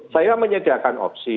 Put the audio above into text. saya menyediakan opsi